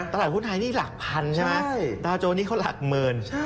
ตลาดหุ้นไทยนี่หลักพันใช่ไหมดาวโจนี่เขาหลักหมื่น